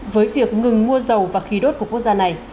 với việc ngừng mua dầu và khí đốt của quốc gia này